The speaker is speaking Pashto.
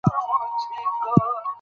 واردات باید کم شي.